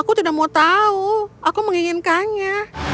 aku tidak mau tahu aku menginginkannya